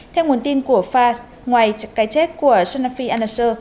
theo nguồn tin của fars ngoài cái chết của sanafi al nusra